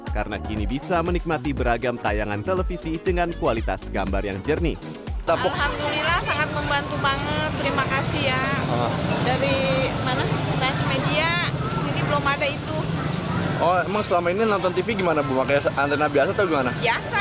karena kini bisa menikmati beragam tayangan televisi dengan kualitas gambar yang jernih